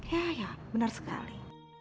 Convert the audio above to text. iya iya benar sekali